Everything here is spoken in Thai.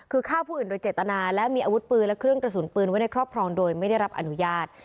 คือฆ่าผู้อื่นโดยเจตนาและมีอาวุธปืนและเครื่องกระสุนปืนไว้ในครอบครองโดยไม่ได้รับอนุญาต